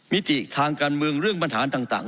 มิติทางการเมืองเรื่องปัญหาต่าง